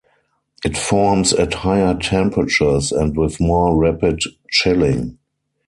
It forms at higher temperatures and with more rapid chilling.